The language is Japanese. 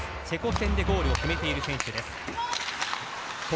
チェコ戦でゴールを決めている選手です。